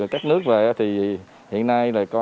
các nước về thì hiện nay